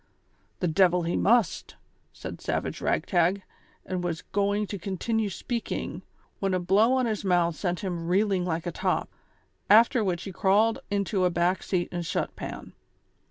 "The devil he must," said Savage Ragtag, and was going to continue speaking, when a blow on his moutli sent him reeling like a top, after which he crawled into a back seat and slint pan.